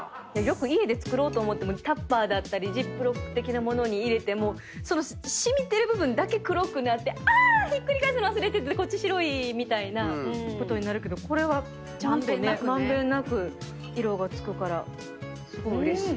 家で作ろうと思ってもタッパーだったりジップロック的な物に入れても染みてる部分だけ黒くなってひっくり返すの忘れててこっち白いみたいなことになるけどこれはちゃんとね満遍なく色が付くからすごいうれしい。